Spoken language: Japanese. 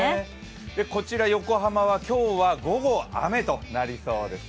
こちら、横浜は今日は午後、雨となりそうです。